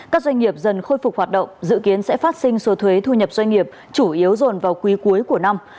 các doanh nghiệp dần khôi phục hoạt động dự kiến sẽ phát sinh số thuế thu nhập doanh nghiệp chủ yếu dồn vào quý cuối của năm